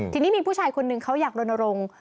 ทีนี้มีผู้ชายคนนึงเขาอยากลดลง